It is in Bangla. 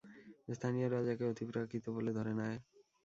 স্থানীয়রা যাকে অতিপ্রাকৃত বলে ধরে নেয়।